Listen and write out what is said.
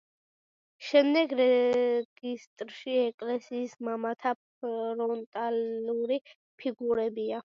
შემდეგ რეგისტრში ეკლესიის მამათა ფრონტალური ფიგურებია.